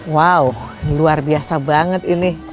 wow luar biasa banget ini